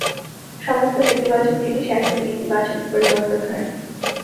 সমস্ত নেতিবাচক জিনিস একদিন ইতিবাচকে পরিবর্তন হয়।